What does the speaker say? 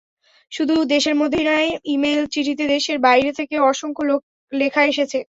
শুধু দেশের মধ্যেই নয়, ই-মেইল, চিঠিতে দেশের বাইরে থেকেও অসংখ্য লেখা এসেছে।